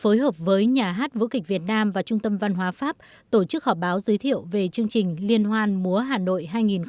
phối hợp với nhà hát vũ kịch việt nam và trung tâm văn hóa pháp tổ chức họp báo giới thiệu về chương trình liên hoan múa hà nội hai nghìn một mươi chín